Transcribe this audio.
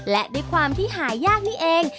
และด้วยความที่หายากนี่เอง